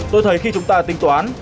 tôi thấy khi chúng ta tinh toán